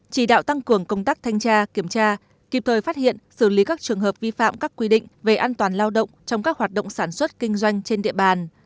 chỉ đạo tăng cường công tác thanh tra kiểm tra kịp thời phát hiện xử lý các trường hợp vi phạm các quy định về an toàn lao động trong các hoạt động sản xuất kinh doanh trên địa bàn